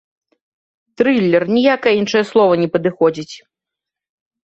Трылер, ніякае іншае слова не падыходзіць!